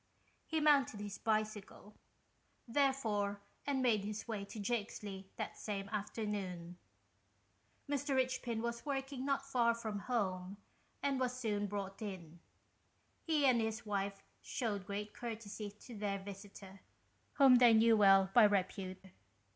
He mounted his bicycle, therefore, and made his way to Jakesley that same afternoon. Mr. Richpin was working not far from home, and was soon brought in. He and his wife shewed great courtesy to their visitor, whom they knew well by repute.